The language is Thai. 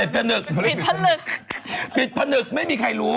ปิดผนึกไม่มีใครรู้